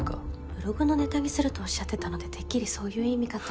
ブログのネタにするとおっしゃってたのでてっきりそういう意味かと。